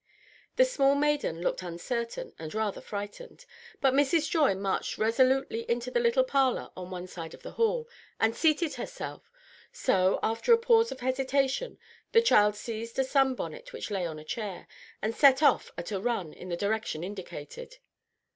The small maiden looked uncertain and rather frightened; but Mrs. Joy marched resolutely into the little parlor on one side of the hall, and seated herself; so, after a pause of hesitation, the child seized a sun bonnet which lay on a chair, and set off at a run in the direction indicated.